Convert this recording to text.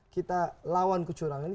kita lawan kecurangan